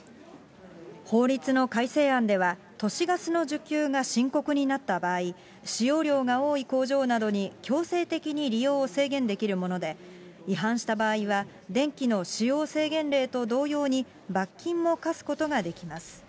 法律の改正案では、都市ガスの需給が深刻になった場合、使用量が多い工場などに強制的に利用を制限できるもので、違反した場合は、電気の使用制限令と同様に、罰金も科すことができます。